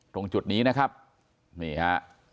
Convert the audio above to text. ตรงจุดนี้นะครับนี่ฮะ